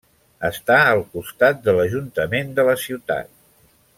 Està al costat de l'Ajuntament de la ciutat.